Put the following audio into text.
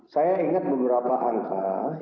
saya ingat beberapa angka